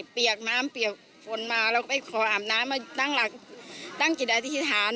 เปียกน้ำเปียกฝนมาเราก็ไปขออาบน้ำมาตั้งหลักตั้งจิตอธิษฐาน